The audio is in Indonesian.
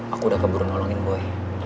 aku udah keburu nolongin gue